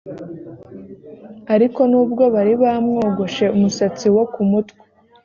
ariko nubwo bari bamwogoshe umusatsi wo ku mutwe